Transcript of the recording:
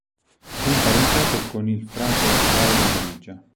È imparentato con il frate Paolo Morigia.